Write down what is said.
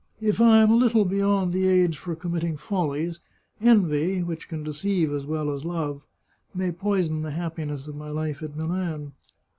" If I am a little beyond the age for committing follies, envy — which can deceive as well as love — may poison the happiness of my life at Milan.